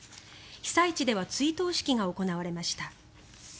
被災地では追悼式が行われました。